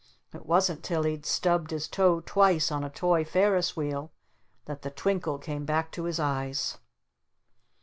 It wasn't till he'd stubbed his toe twice on a toy Ferris Wheel that the twinkle came back to his eyes.